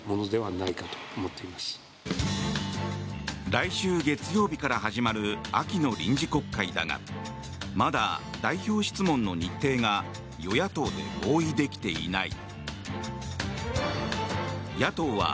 来週月曜日から始まる秋の臨時国会だがまだ代表質問の日程が与野党で合意できていない。